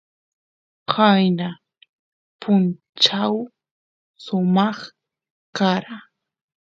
qayna punchaw sumaq kara